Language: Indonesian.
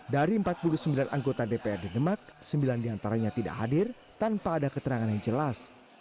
dari empat puluh sembilan anggota dprd demak sembilan diantaranya tidak hadir tanpa ada keterangan yang jelas